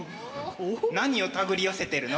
何をたぐり寄せてるの？